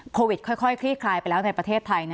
โควิด๑๙ค่อยคลี่ดคลายไปแล้วในประเทศไทย